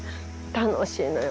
楽しいのよ